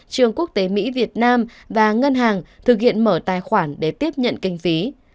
trường quốc tế mỹ việt nam và ngân hàng thực hiện mở tài khoản để tiếp nhận kinh phí